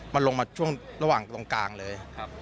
มันลงมาช่วงระหว่างตรงกลางเลย